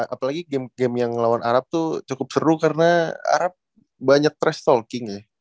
apalagi game game yang lawan arab itu cukup seru karena arab banyak threstalking ya